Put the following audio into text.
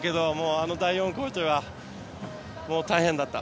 あの第４クオーターは大変だった。